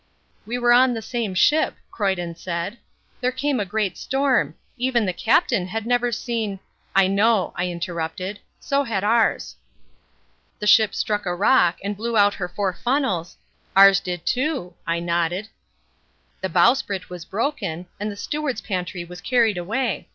"We were on the same ship," Croyden said. "There came a great storm. Even the Captain had never seen " "I know," I interrupted, "so had ours." "The ship struck a rock, and blew out her four funnels " "Ours did too," I nodded. "The bowsprit was broken, and the steward's pantry was carried away.